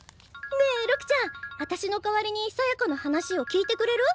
ねえ六ちゃんあたしの代わりにさやかの話を聞いてくれる？